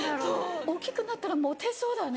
大きくなったらモテそうだね。